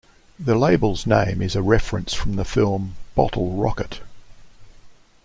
The label's name is a reference from the film "Bottle Rocket".